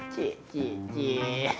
cik cik cik